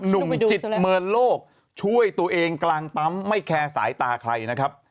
หนุ่มจิตเมินโลกช่วยตัวเองกลางปั๊มไม่แคร์สายตาใครนะครับ